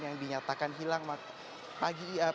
yang dinyatakan hilang